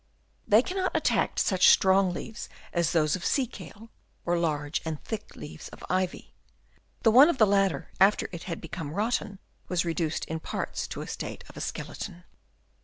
They cannot attack such strong leaves as those of sea kale or large and thick leaves of ivy ; though one of the latter after it had become rotten was reduced in parts to the state of a skeleton.